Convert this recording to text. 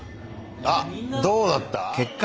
あっどうなった？